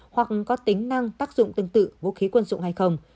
hoặc có tính năng tác dụng tương tự vũ khí quân dụng hay không